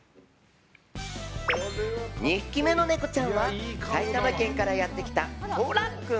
２匹目のネコちゃんは埼玉県からやってきた、ソラ君。